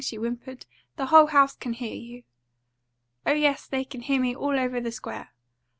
she whimpered. "The whole house can hear you." "Oh yes, they can hear me all over the square.